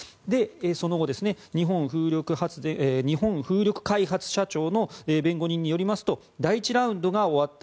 その後、日本風力開発社長の弁護人によりますと第１ラウンドが終わった